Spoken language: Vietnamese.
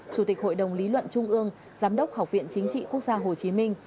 chủ tịch hội đồng lý luận trung ương giám đốc học viện chính trị quốc gia hồ chí minh